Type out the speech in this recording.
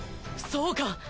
そうか！